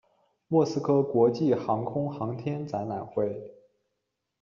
莫斯科国际航空航天展览会。